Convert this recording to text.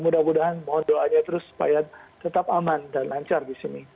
mudah mudahan mohon doanya terus supaya tetap aman dan lancar di sini